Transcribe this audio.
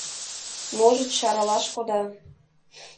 Можыч, аралаш кода.